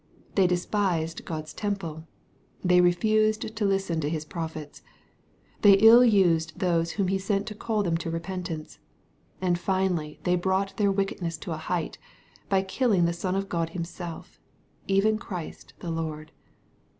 They despised God's temple. They refused to listen to His prophets. They ill used those whom he sent to call them to repentance. And finally they brought their wickedness to a height, by killing the Son of God Him self, even Christ the Lord.